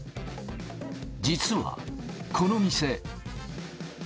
実はこの店。